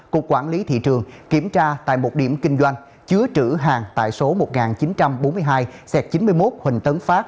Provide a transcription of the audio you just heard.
cục quản lý thị trường kiểm tra tại một điểm kinh doanh chứa trữ hàng tại số một nghìn chín trăm bốn mươi hai xẹt chín mươi một huỳnh tấn phát